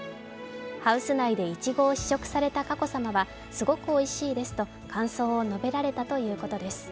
ハウス内でいちごを試食された佳子さまは、すごくおいしいですと感想を述べられたということです。